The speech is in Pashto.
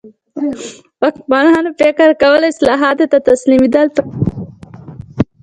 واکمنانو فکر کاوه اصلاحاتو ته تسلیمېدو پرته بله چاره نه لري.